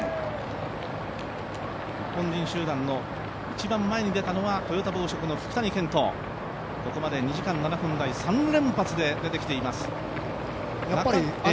日本人集団の一番前に出たのはトヨタ紡織の聞谷賢人、ここまで２時間７分台３連発で出てきています。